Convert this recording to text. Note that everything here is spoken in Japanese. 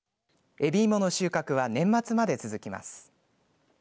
えびいもの収穫は年末まで続きます。